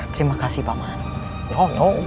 terima kasih paman